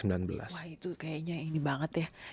wah itu kayaknya ini banget ya